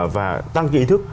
và tăng kỹ thức